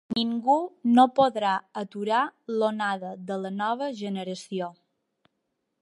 Ningú no podrà aturar l’onada de la nova generació.